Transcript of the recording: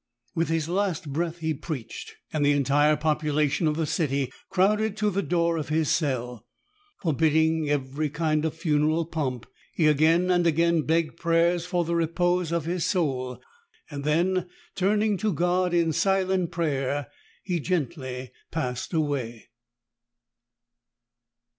With his last breath he preached, and the entire popula tion of the city crowded to the door of his cell. Forbid ding every kind of funeral pomp, he again and again begged prayers for the repose of his soul : then turning to God in silent prayer, he gently passed away.